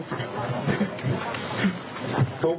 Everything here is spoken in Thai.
ไม่ได้จริงค่ะ